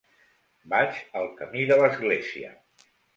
Vaig al camí de l'Església.